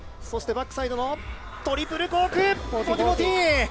そしてバックサイドトリプルコーク１４４０！